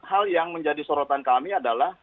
hal yang menjadi sorotan kami adalah